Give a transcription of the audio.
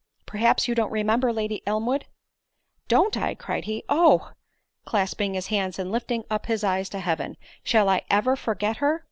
Perhaps you don't remember Lady Elmwood?" "Don't I," cried he, "Oh!" (clasping his hands and lifting up his eyes to heaven) "shall I ever forget her?"